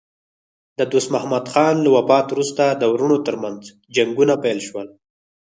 د دوست محمد خان له وفات وروسته د وروڼو ترمنځ جنګونه پیل شول.